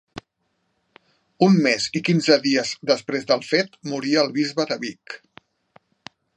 Un mes i quinze dies després del fet moria el bisbe de Vic.